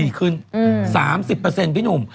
ดีขึ้น๓๐เปอร์เซ็นต์ผู้หนุ่ม